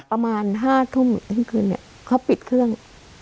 ๕ทุ่มยังไงเขาปิดเครื่อง